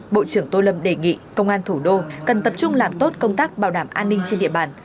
bộ trưởng tô lâm đề nghị công an thủ đô cần tập trung làm tốt công tác bảo đảm an ninh trên địa bàn